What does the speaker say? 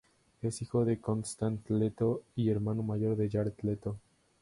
Es hijo de Constance Leto y hermano mayor de Jared Leto.